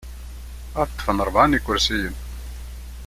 Ad ṭṭfen rebɛa n yikersiyen.